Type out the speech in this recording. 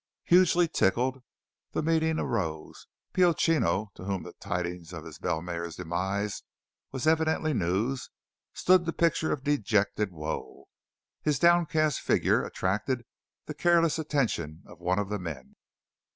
Hugely tickled, the meeting arose. Pio Chino, to whom the tidings of his bell mare's demise was evidently news, stood the picture of dejected woe. His downcast figure attracted the careless attention of one of the men.